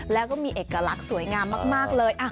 แล้วก็มีเอกลักษณ์สวยงามมากเลย